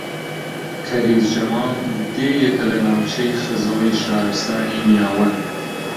کەریز جەماڵ دێیەکە لە ناوچەی خزڵی شارستانی نیاوەن